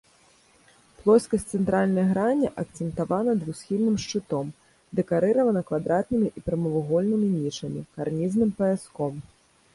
Плоскасць цэнтральнай грані акцэнтавана двухсхільным шчытом, дэкарыравана квадратнымі і прамавугольнымі нішамі, карнізным паяском.